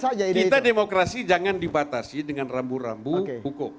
kita demokrasi jangan dibatasi dengan rambu rambu hukum